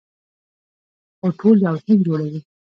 خو ټول یو هند جوړوي.